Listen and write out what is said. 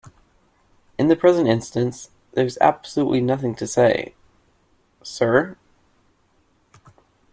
In the present instance, there is absolutely nothing to say 'Sir?'